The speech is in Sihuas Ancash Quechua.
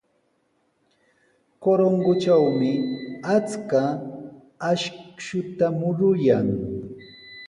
Corongotrawmi achka akshuta muruyan.